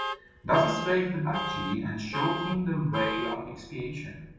Thus spake the Baktschi, and showed him the way of expiation.